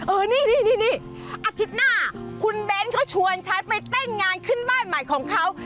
เออนี่อาทิตย์หน้าคุณเบ้นเขาชวนฉันไปเต้นงานขึ้นบ้านใหม่ของเขา